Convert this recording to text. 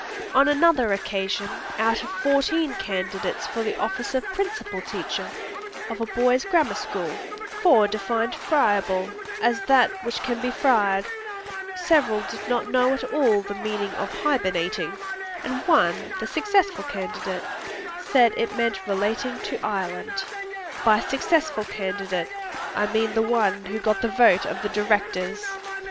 On another occasion, out of fourteen candidates for the office of Principal teacher of a boys' Grammar school, four defined "friable" as that which can be fried; several did not know at all the meaning of "hibernating," and one, the successful candidate, said it meant "relating to Ireland." By "successful" candidate, I mean the one who got the vote of the Directors!